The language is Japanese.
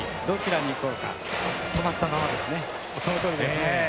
どちらにいこうか止まったままですね。